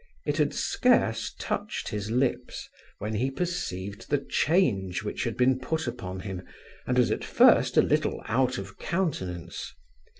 It had scarce touched his lips, when he perceived the change which had been put upon him, and was at first a little out of countenance.